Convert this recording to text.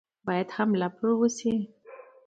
باید حمله پرې وشي.